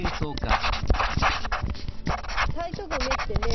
タイトゴメってね